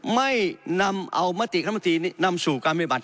ไม่เอามาติขนมตีนำสู่การบิบัติ